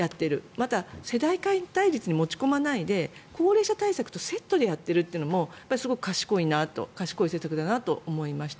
また、世代間対立に持ち込まないで高齢者対策とセットでやってるというのもすごく賢い政策だなと思いました。